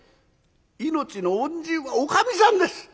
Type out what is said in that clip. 命の恩人はおかみさんです！